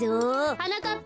はなかっぱ。